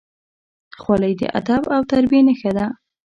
خولۍ د ادب او تربیې نښه ده.